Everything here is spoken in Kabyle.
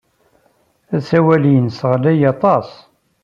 Asawal-innes ɣlay aṭas!